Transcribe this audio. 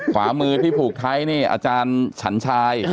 ขวามือที่ผูกไทยนี่อาจารย์ฉันชาย